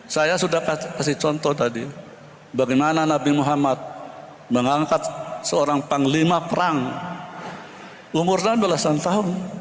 saya sudah kasih contoh tadi bagaimana nabi muhammad mengangkat seorang panglima perang umur sembilan belas tahun